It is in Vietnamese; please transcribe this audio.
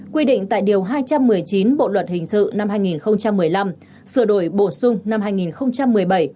quy định tại điều hai trăm một mươi chín bộ luật hình sự năm hai nghìn một mươi năm sửa đổi bổ sung năm hai nghìn một mươi bảy